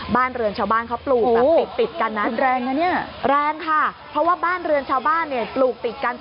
บ้านเรือนชาวบ้านเขาปลูกปรับติดกันนั้น